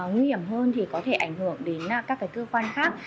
nguy hiểm hơn thì có thể ảnh hưởng đến các cơ quan khác